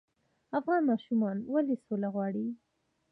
افغان ماشومان ولې سوله غواړي؟